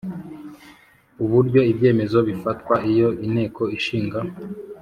Uburyo ibyemezo bifatwa iyo Inteko Ishinga